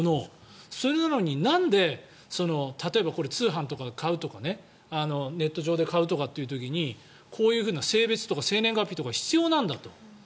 それなのになんで例えば通販で買うとかネット上で買うとかという時にこういう性別とか生年月日とか必要なんだと。